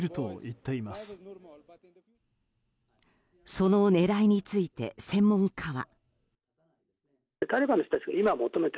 その狙いについて専門家は。